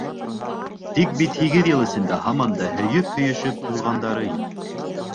Тик бит һигеҙ йыл эсендә һаман да һөйөп-һөйөшөп туйғандары юҡ.